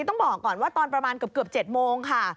ต้องบอกก่อนว่าตอนประมาณเกือบ๗โมงค่ะ